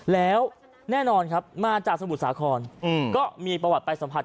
แล้วแน่นอนครับมาจากสมุทรสาครก็มีประวัติไปสัมผัส